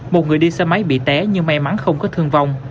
một người đi xe máy bị té nhưng may mắn không có thương vong